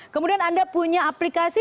kemudian anda punya aplikasi